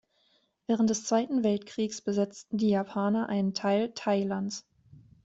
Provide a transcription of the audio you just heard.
Während des Zweiten Weltkriegs besetzten die Japaner einen Teil Thailands.